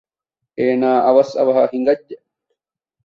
އޭނާ އަވަސް އަވަހަށް ހިނގައްޖެ